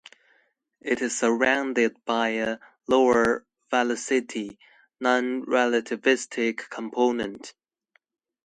It is surrounded by a lower velocity, non-relativistic component.